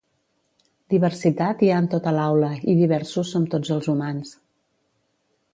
Diversitat hi ha en tota l'aula i diversos som tots els humans.